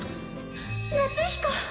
夏彦！